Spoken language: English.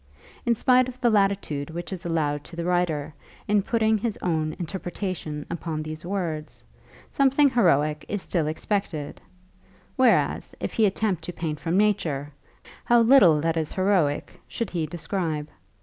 In spite of the latitude which is allowed to the writer in putting his own interpretation upon these words, something heroic is still expected; whereas, if he attempt to paint from Nature, how little that is heroic should he describe!